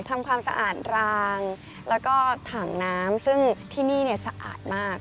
ทำความสะอาดรางแล้วก็ถังน้ำซึ่งที่นี่สะอาดมาก